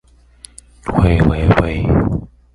淡海輕軌捷運